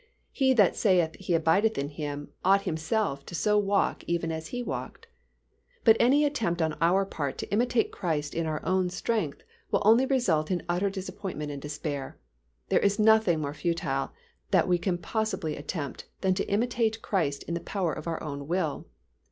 "He that saith he abideth in Him, ought himself so to walk even as He walked" (1 John ii. 6). But any attempt on our part to imitate Christ in our own strength will only result in utter disappointment and despair. There is nothing more futile that we can possibly attempt than to imitate Christ in the power of our own will.